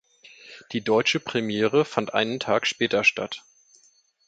Die deutsche Premiere fand ein Tag später statt.